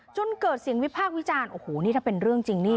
จนเกิดเสียงวิพากษ์วิจารณ์โอ้โหนี่ถ้าเป็นเรื่องจริงนี่